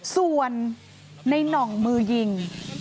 ส่วนในน่องมือยิง